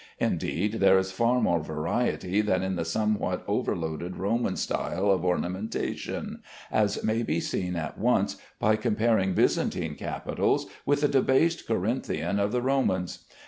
Indeed there is far more variety than in the somewhat overloaded Roman style of ornamentation, as may be seen at once by comparing Byzantine capitals with the debased Corinthian of the Romans.